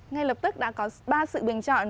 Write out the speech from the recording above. ngay lập tức đã có ba sự bình chọn